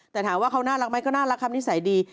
แต่ถามว่าเขาน่ารักไหมก็น่ารักครับนิสัยดี